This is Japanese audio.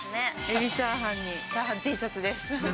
エビチャーハンに、チャーハンＴシャツです。